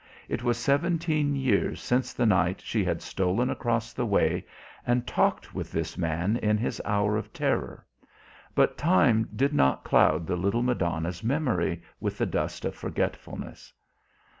It was seventeen years since the night she had stolen across the way and talked with this man in his hour of terror, but time did not cloud the little Madonna's memory with the dust of forgetfulness.